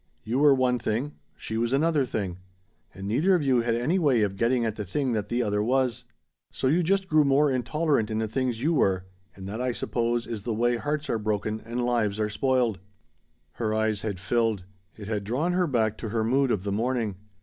You were one thing; she was another thing. And neither of you had any way of getting at the thing that the other was. So you just grew more intolerant in the things you were, and that, I suppose, is the way hearts are broken and lives are spoiled." Her eyes had filled. It had drawn her back to her mood of the morning.